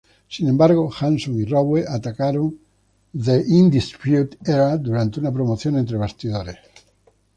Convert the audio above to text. Sin embargo, Hanson y Rowe atacaron The Undisputed Era durante una promoción entre bastidores.